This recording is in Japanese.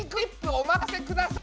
お任せください！